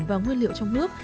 và nguyên liệu trong nước